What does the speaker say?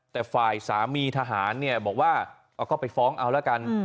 แต่ฝ่ายสามีทหารเนี่ยบอกว่าก็ไปฟ้องเอาละกัน